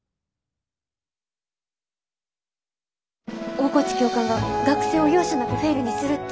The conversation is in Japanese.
大河内教官が学生を容赦なくフェイルにするって。